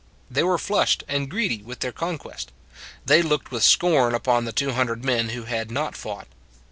They were flushed and greedy with their conquest : they looked with scorn upon the two hundred men who had not fought.